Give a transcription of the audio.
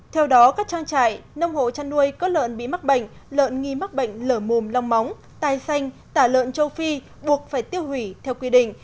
theo đó các trang trại nông hộ chăn nuôi có lợn bị mắc bệnh lợn nghi mắc bệnh lở mồm long móng tai xanh tả lợn châu phi buộc phải tiêu hủy theo quy định